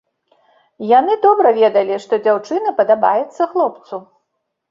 Яны добра ведалі, што дзяўчына падабаецца хлопцу.